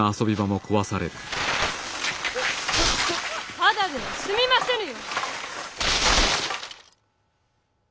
ただでは済みませぬよ！